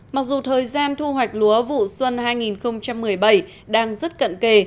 mặc dù thời gian thu hoạch lúa vụ xuân hai nghìn một mươi bảy đang rất cận kề